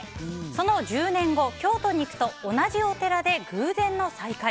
その１０年後、京都に行くと同じお寺で偶然の再会。